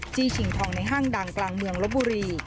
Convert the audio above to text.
ชิงทองในห้างดังกลางเมืองลบบุรี